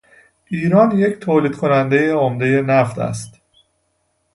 ایران یک تولید کنندهی عمدهی نفت است.